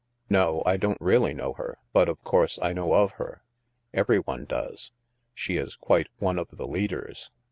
No, I don't really know her. But, of course, I know of her. Every one does. She is quite one of the leaders.